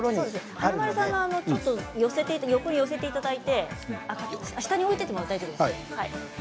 華丸さん、横に寄せていただいて下に置いていただいても大丈夫ですよ。